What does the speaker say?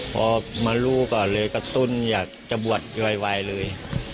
พอมารู้ก่อนเลยกระตุ้นอยากจะบวชไวเลย